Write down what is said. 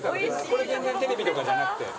これ全然テレビとかじゃなくて。